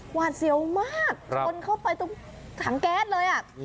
วาดเสียวมากชนเข้าไปตรงถังแก๊สเลยอ่ะ